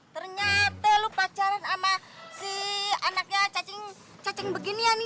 ternyata lo pacaran sama si anaknya cacing begini